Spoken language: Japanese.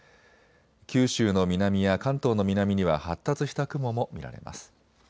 九州の南や関東の南には発達した雲も見られます。